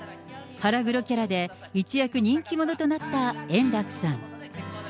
腹黒キャラで一躍人気者となった円楽さん。